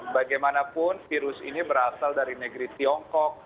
bagaimanapun virus ini berasal dari negeri tiongkok